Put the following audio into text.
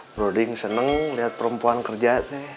browding seneng lihat perempuan kerja